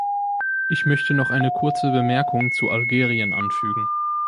Ich möchte noch eine kurze Bemerkung zu Algerien anfügen.